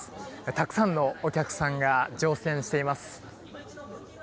たくさんのお客さんが乗船しています。